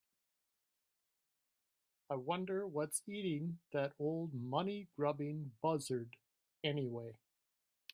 I wonder what's eating that old money grubbing buzzard anyway?